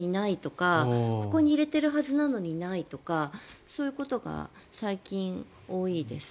いつもある場所にないとかここに入れてるはずなのにないとかそういうことが最近、多いです。